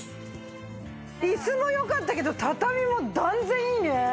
椅子もよかったけど畳も断然いいね！